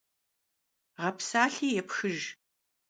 Гъэпсалъи епхыж.